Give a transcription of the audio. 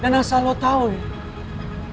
dan asal lo tau ya